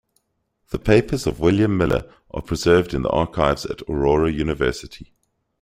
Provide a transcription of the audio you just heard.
The papers of William Miller are preserved in the archives at Aurora University.